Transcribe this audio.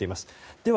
では